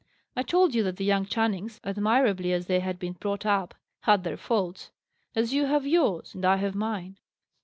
I told you that the young Channings, admirably as they had been brought up, had their faults; as you have yours, and I have mine.